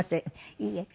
いいえ。